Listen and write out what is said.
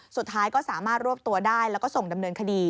สุดท้ายก็สามารถรวบตัวได้แล้วก็ส่งดำเนินคดี